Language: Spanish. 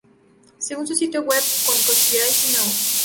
Según su sitio web, "con Conspiracy No.